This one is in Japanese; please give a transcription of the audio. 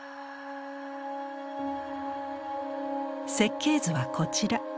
設計図はこちら。